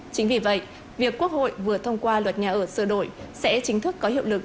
chính vì vậy việc quốc hội vừa thông qua luật nhà ở sơ đổi sẽ chính thức có hiệu lực